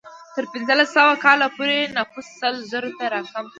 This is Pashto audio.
تر پنځلس سوه کال پورې نفوس سل زرو ته راکم شو.